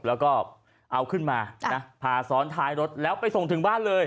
แล้วก็เอาขึ้นมาพาซ้อนท้ายรถแล้วไปส่งถึงบ้านเลย